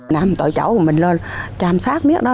năm tội cháu của mình luôn chăm sát biết đó